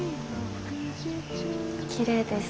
きれいです。